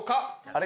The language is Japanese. あれ？